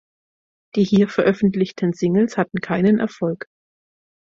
Die hier veröffentlichten Singles hatten keinen Erfolg.